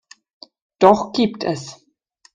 Doch gibt es.